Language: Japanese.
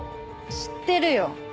知ってるよ。